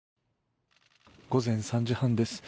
午前３時半です。